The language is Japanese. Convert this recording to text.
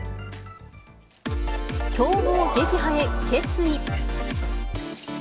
強豪撃破へ決意。